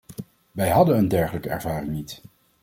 Wij hadden een dergelijke ervaring niet.